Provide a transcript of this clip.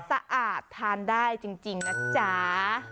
สะอาดทานได้จริงนะจ๊ะ